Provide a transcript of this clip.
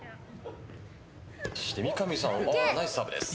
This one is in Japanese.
そして、三上さんナイスサーブです。